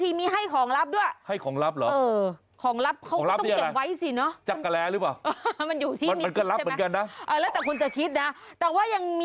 ทรงเสียงดัง